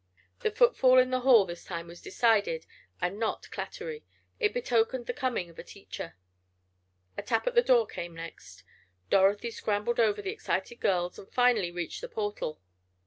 The footfall in the hall this time was decided and not clattery. It betokened the coming of a teacher. A tap at the door came next. Dorothy scrambled over the excited girls, and finally reached the portal.